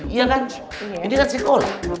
iya kan ini kan sekolah